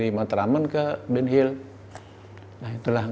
hingga menjadi cikal bakal kesuksesannya